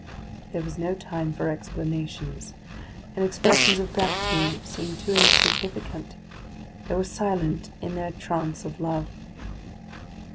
There was no time for explanations, and expressions of gratitude seemed too insignificant. They were silent in their trance of love.